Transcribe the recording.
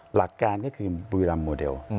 หลักการก็คือบุรีรำโมเดล